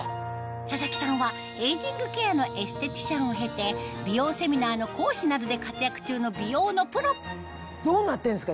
佐々木さんはエイジングケアのエステティシャンを経て美容セミナーの講師などで活躍中の美容のプロどうなってんですか？